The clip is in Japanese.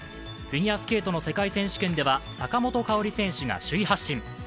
フィギュアスケートの世界選手権では坂本花織選手が首位発進。